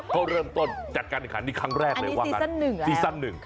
เขาเริ่มต้นจัดการอีกครั้งอันนี้ซีซั่นหนึ่งแล้ว